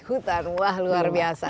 hutan wah luar biasa